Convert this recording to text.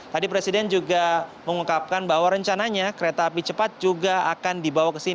tadi presiden juga mengungkapkan bahwa rencananya kereta api cepat juga akan dibawa ke sini